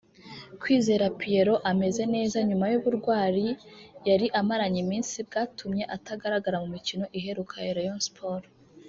Kwizera Pierrot ameze neza nyuma y’uburwayi yari amaranye iminsi bwatumye atagaragara mu mikino iheruka ya Rayon Sports